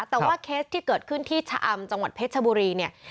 แต่ว่าเคสที่เกิดขึ้นที่ชะอำจังหวัดเพชรชบุรีเนี่ย